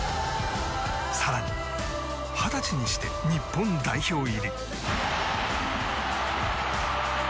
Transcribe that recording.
更に二十歳にして日本代表入り。